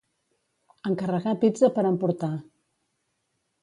Encarregar pizza per emportar.